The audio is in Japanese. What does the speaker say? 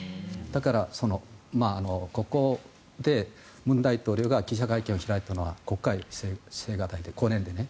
だから、ここで文大統領が記者会見を開いたのは５回、青瓦台で５年でね。